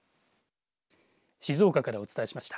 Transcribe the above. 静岡からお伝えしました。